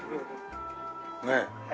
ねえ。